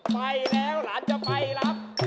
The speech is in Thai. ไปแล้วหลานจะไปรับ